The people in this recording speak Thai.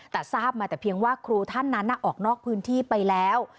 แต่ทราบมาแต่เพียงว่าครูท่านนั้นออกนอกพื้นที่ไปแล้ว